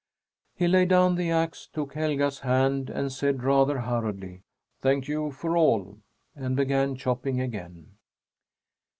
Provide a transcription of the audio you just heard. He laid down the axe, took Helga's hand, and said rather hurriedly, "Thank you for all!" and began chopping again.